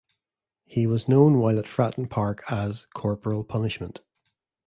He was known while at Fratton Park as "Corporal Punishment".